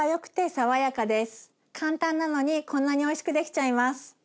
簡単なのにこんなにおいしくできちゃいます。